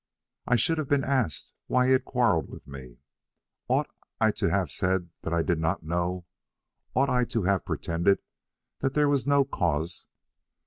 "I should have been asked why he had quarrelled with me. Ought I to have said that I did not know? Ought I to have pretended that there was no cause?